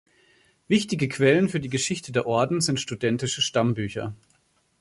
Wichtige Quellen für die Geschichte der Orden sind studentische Stammbücher.